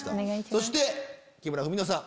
そして木村文乃さん。